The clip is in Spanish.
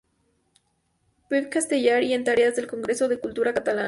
Puig Castellar y en tareas del Congreso de Cultura Catalana.